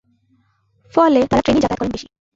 ফলে তাঁরা ট্রেনেই যাতায়াত করেন বেশি।